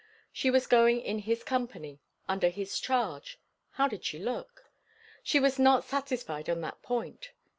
She was going in his company; under his charge; how did she look? She was not satisfied on that point.